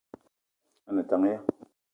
A ne tank ya ?